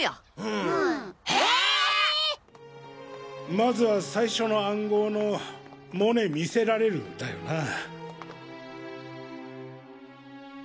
まずは最初の暗号の「モネ見せられる」だよなぁ。